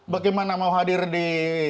bagaimana mau hadir di